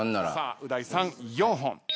う大さん４本。